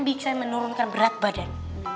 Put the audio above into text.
bikin menurunkan berat badan